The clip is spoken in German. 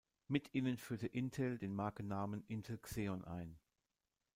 Mit ihnen führte Intel den Markennamen "Intel Xeon" ein.